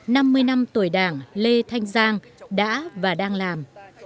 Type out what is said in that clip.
năm mươi năm tuổi đảng lê thanh giang đã và đang làm